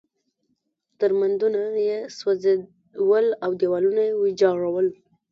درمندونه یې سوځول او دېوالونه یې ویجاړول.